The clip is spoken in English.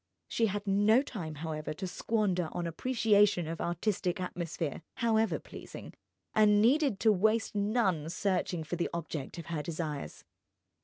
She had no time, however, to squander on appreciation of artistic atmosphere, however pleasing, and needed to waste none searching for the object of her desires.